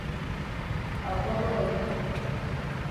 Atla bakalım.